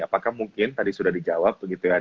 apakah mungkin tadi sudah dijawab begitu ya